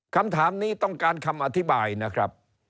คำถามนี้ต้องการคำอธิบายนะครับ